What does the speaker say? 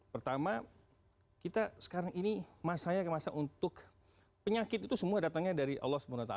pertama kita sekarang ini masanya untuk penyakit itu semua datangnya dari allah swt pak